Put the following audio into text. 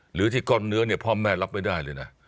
หรือที่ก้อนเนื้อเนี่ยพ่อแม่รับไม่ได้เลยนะ